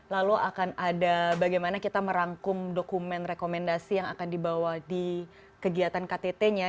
lalu akan ada bagaimana kita merangkum dokumen rekomendasi yang akan dibawa di kegiatan ktt nya